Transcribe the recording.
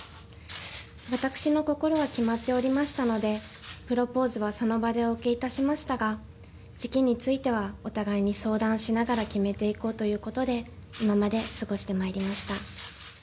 私の心は決まっておりましたので、プロポーズはその場でお受けいたしましたが、時期についてはお互いに相談しながら決めていこうということで、今まで過ごしてまいりました。